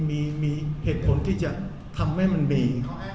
มีเหตุผลที่จะทำให้มันดี